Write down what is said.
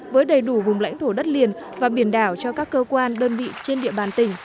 với đầy đủ vùng lãnh thổ đất liền và biển đảo cho các cơ quan đơn vị trên địa bàn tỉnh